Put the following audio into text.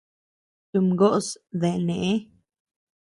Tumgoʼos dae neʼe.